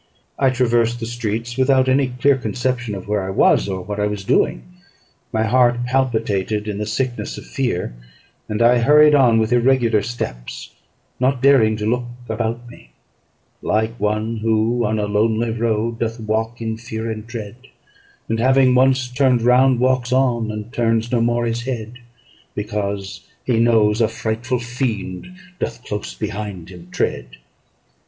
I traversed the streets, without any clear conception of where I was, or what I was doing. My heart palpitated in the sickness of fear; and I hurried on with irregular steps, not daring to look about me: "Like one who, on a lonely road, Doth walk in fear and dread, And, having once turned round, walks on, And turns no more his head; Because he knows a frightful fiend Doth close behind him tread."